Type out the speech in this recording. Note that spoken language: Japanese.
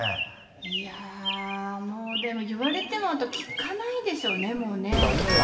いやー、でももう言われても、聞かないでしょうね、もうね。